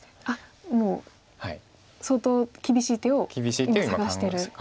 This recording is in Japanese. あっもう相当厳しい手を今探してる。